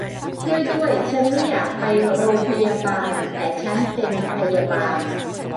ช่วยด้วย ฉันไม่อยากไปโรงพยาบาล แต่ฉันเป็นพยาบาล